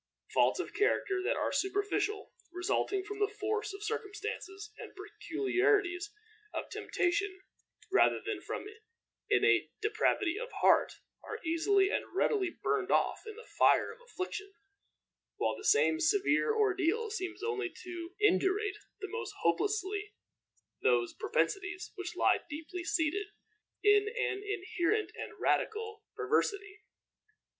Faults of character that are superficial, resulting from the force of circumstances and peculiarities of temptation, rather than from innate depravity of heart, are easily and readily burned off in the fire of affliction, while the same severe ordeal seems only to indurate the more hopelessly those propensities which lie deeply seated in an inherent and radical perversity.